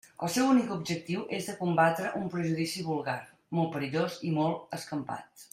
El seu únic objectiu és de combatre un prejudici vulgar, molt perillós i molt escampat.